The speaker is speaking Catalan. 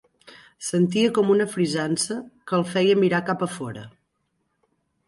Sentia com una frisança que el feia mirar cap a fora